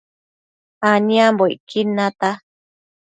aniambocquid nata